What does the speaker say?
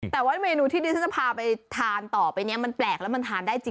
แต่ว่าเมนูที่ดิฉันจะพาไปทานต่อไปนี้มันแปลกแล้วมันทานได้จริง